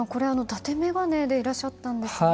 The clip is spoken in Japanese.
伊達眼鏡でいらっしゃったんですね。